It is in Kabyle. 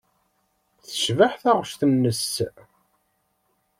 Tecbeḥ taɣect-nnes.